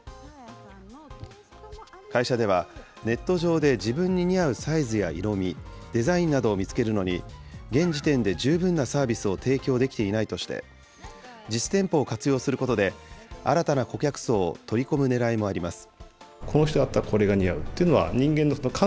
会社では、ネット上で自分に似合うサイズや色味、デザインなどを見つけるのに、現時点で十分なサービスを提供できていないとして、実店舗を活用することで、新たな顧客層を取り込むねらいもあります。